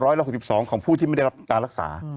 ร้อยละ๖๒ของผู้ที่ไม่ได้รับรักษา